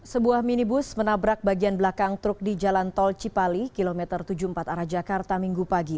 sebuah minibus menabrak bagian belakang truk di jalan tol cipali kilometer tujuh puluh empat arah jakarta minggu pagi